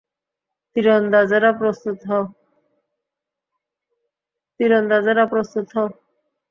তীরন্দাজেরা প্রস্তুত হও!